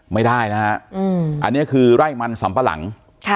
ไม่ได้นะฮะอืมอันเนี้ยคือไร่มันสำประหลังค่ะ